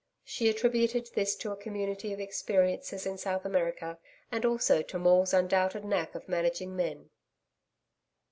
She attributed this to a community of experiences in South America, and also to Maule's undoubted knack of managing men.